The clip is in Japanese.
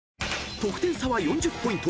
［得点差は４０ポイント。